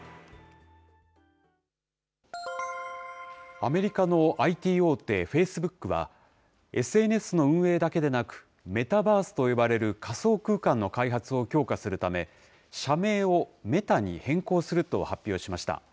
アメリカのＩＴ大手、フェイスブックは、ＳＮＳの運営だけでなく、メタバースと呼ばれる仮想空間の開発を強化するため、社名をメタに変更すると発表しました。